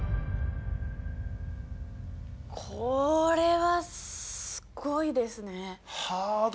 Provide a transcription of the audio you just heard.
これはすごいですね。